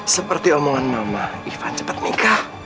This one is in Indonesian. seperti omongan mama ivan cepat nikah